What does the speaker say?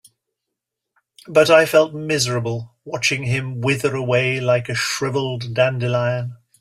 But I felt miserable watching him wither away like a shriveled dandelion.